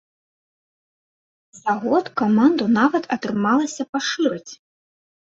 За год каманду нават атрымалася пашырыць!